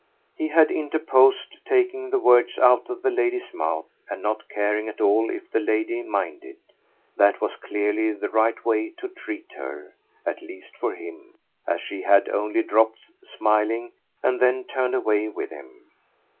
He had interposed, taking the words out of the lady's mouth and not caring at all if the lady minded. That was clearly the right way to treat her at least for him; as she had only dropped, smiling, and then turned away with him.